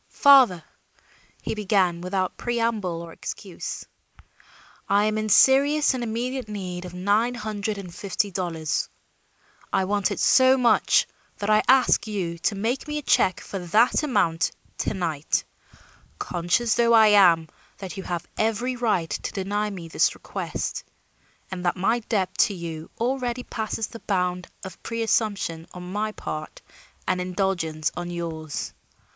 "Father," he began without preamble or excuse, "I am in serious and immediate need of nine hundred and fifty dollars. I want it so much that I ask you to make me a check for that amount to night, conscious though I am that you have every right to deny me this request, and that my debt to you already passes the bound of presumption on my part and indulgence on yours.